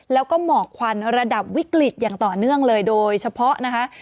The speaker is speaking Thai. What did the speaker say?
แล้วก็หมอกควันระดับวิกฤตอย่างต่อเนื่องเลยโดยเฉพาะนะคะ